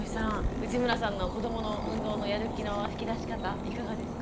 内村さんの子どもの運動のやる気の引き出し方いかがですか？